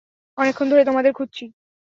অনেকক্ষণ ধরে তোমাদের খুঁজছি।